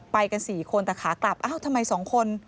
ไปกัน๔คนแต่ขากลับอ้าวทำไม๒คน